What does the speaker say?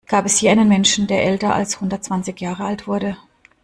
Gab es je einen Menschen, der älter als hundertzwanzig Jahre alt wurde?